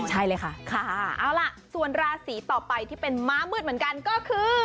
ใช่เลยค่ะค่ะเอาล่ะส่วนราศีต่อไปที่เป็นม้ามืดเหมือนกันก็คือ